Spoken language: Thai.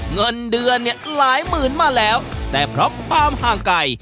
เงินเดือนเนี่ยหลายหมื่นมาแล้วแต่เพราะความห่างไกล